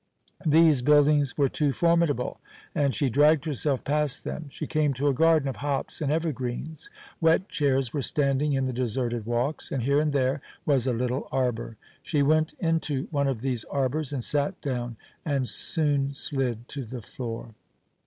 These buildings were too formidable, and she dragged herself past them. She came to a garden of hops and evergreens. Wet chairs were standing in the deserted walks, and here and there was a little arbour. She went into one of these arbours and sat down, and soon slid to the floor.